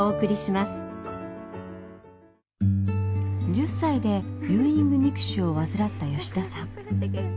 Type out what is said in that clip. １０歳でユーイング肉腫を患った吉田さん。